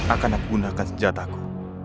akan aku gunakan senjataku